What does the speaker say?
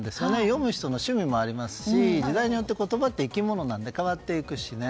読む人の趣味もありますし時代によって言葉って生き物なので変わっていくしね。